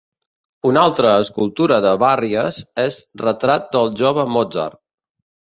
Una altra escultura de Barrias és "Retrat del jove Mozart".